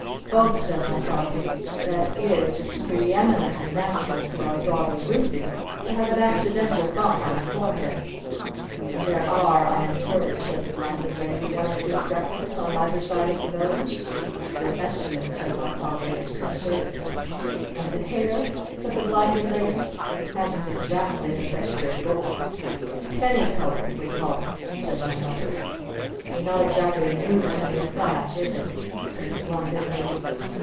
"Both!" said my Father. "That is, it's pre em i nently natural for our daughter Ruthy to have an accidental bump on her forehead." "And there are, I infer," said the Blinded Lady, "one or two freckles on either side of the nose?" "Your estimate," said my Father, "is conservative." "And the hair?" said the Blinded Lady. "It hasn't exactly the texture of gold." "'Penny colored' we call it!" said my Mother. "And not exactly a new penny at that, is it?" said the Blinded Lady.